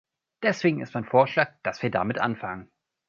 Deswegen ist mein Vorschlag, dass wir damit anfangen.